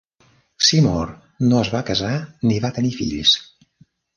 Seymour no es va casar ni va tenir fills.